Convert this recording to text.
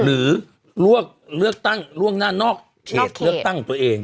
หรือเลือกตั้งล่วงหน้านอกเขตเลือกตั้งของตัวเอง